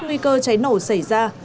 nguy cơ cháy nổ xảy ra